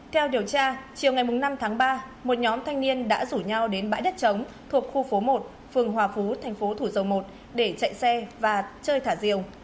theo điều tra chiều ngày năm tháng ba một nhóm thanh niên đã rủ nhau đến bãi đất trống thuộc khu phố một phường hòa phú thành phố thủ dầu một để chạy xe và chơi thả diều